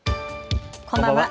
こんばんは。